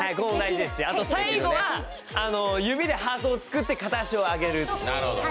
最後が指でハートを作って片足を上げる。